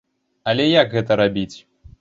Але як гэта рабіць?